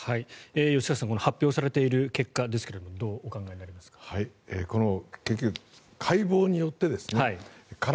吉川さん発表されている結果ですがどうお考えになりますか？